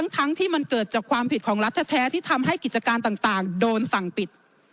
ทั้งที่มันเกิดจากความผิดของรัฐแท้ที่ทำให้กิจการต่างโดนสั่งปิด